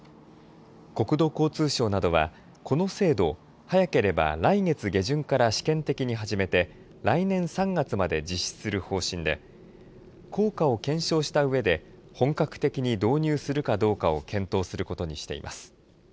国土交通省などはこの制度を早ければ来月下旬から試験的に始めて来年３月まで実施する方針で効果を検証したうえで本格的に導入するかどうかを検討することにしています。